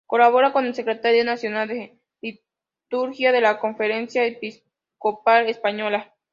Colabora con el Secretariado Nacional de Liturgia de la Conferencia Episcopal Española.